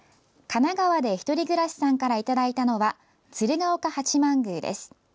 神奈川で一人暮らしさんからいただいたのは、鶴岡八幡宮です。